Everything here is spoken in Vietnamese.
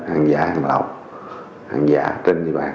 hàng giả hàng lậu hàng giả trên như vậy